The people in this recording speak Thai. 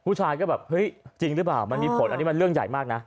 ผู้ชายก็แบบเฮ้ยจริงหรือเปล่ามันมีผลอันนี้มันเรื่องใหญ่มากนะ